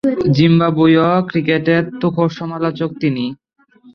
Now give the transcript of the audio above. জিম্বাবুয়ীয় ক্রিকেটের তুখোড় সমালোচক তিনি।